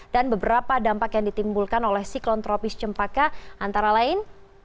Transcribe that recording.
dan beberapa dampak yang ditimbulkan oleh siklon tropis cempaka antara lain